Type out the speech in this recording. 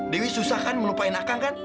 dewi susah kan melupain akang kan